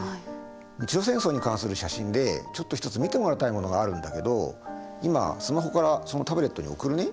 日露戦争に関する写真でちょっと一つ見てもらいたいものがあるんだけど今スマホからそのタブレットに送るね。